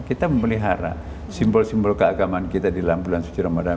kita memelihara simbol simbol keagamaan kita di dalam bulan suci ramadan